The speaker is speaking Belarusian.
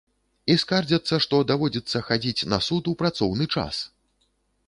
І скардзяцца, што даводзіцца хадзіць на суд у працоўны час!